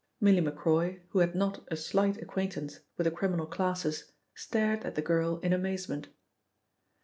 Milly Macroy, who had not a slight acquaintance with the criminal classes, stared at the girl in amazement.